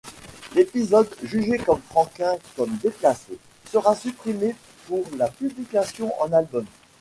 L'épisode, jugé par Franquin comme déplacé, sera supprimé pour la publication en album.